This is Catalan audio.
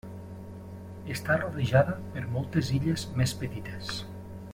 Està rodejada per moltes illes més petites.